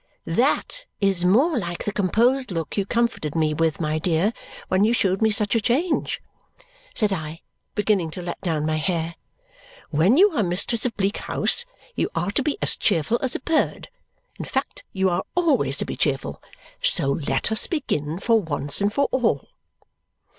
"That is more like the composed look you comforted me with, my dear, when you showed me such a change!" said I, beginning to let down my hair. "When you are mistress of Bleak House, you are to be as cheerful as a bird. In fact, you are always to be cheerful; so let us begin for once and for all."